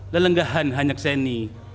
lelenggahan hanyak seni